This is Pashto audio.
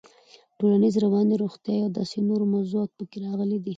ټولنيز, رواني, روغتيايي او داسې نورو موضوعات پکې راغلي دي.